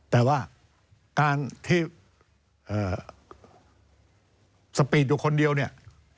แต่ว่าการที่สปีดอยู่คนเดียวเนี่ย